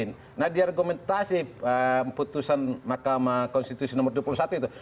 nah diargumentasi keputusan mahkamah konstitusi nomor dua puluh satu itu